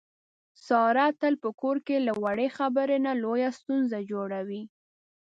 ساره تل په کور کې له وړې خبرې نه لویه ستونزه جوړي.